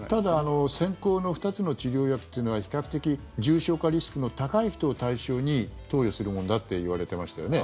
ただ先行の２つの治療薬というのは比較的重症化リスクの高い人を対象に投与するものだっていわれてましたよね。